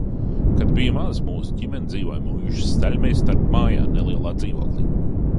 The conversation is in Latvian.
Kad biju maza, mūsu ģimene dzīvoja muižas staļļmeistara mājā, nelielā dzīvoklī.